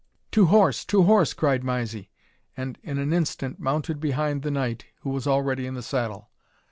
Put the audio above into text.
"To horse! to horse!" cried Mysie, and in an instant mounted behind the knight, who was already in the saddle.